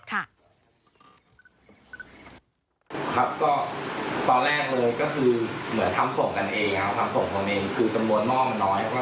ทำส่งตัวเองคือจำนวนหม้อมันน้อย